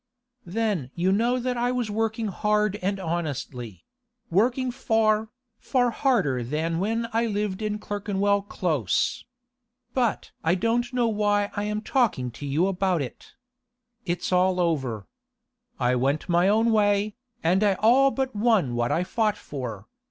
'Then you know that I was working hard and honestly—working far, far harder than when I lived in Clerkenwell Close. But I don't know why I am talking to you about it. It's all over. I went my own way, and I all but won what I fought for.